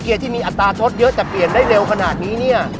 เกียร์ที่มีอัตราโทษเยอะแต่เปลี่ยนได้เร็วขนาดนี้